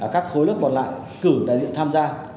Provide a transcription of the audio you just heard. các khối lớp còn lại cử đại diện tham gia